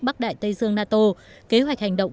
bắc đại tây dương nato kế hoạch hành động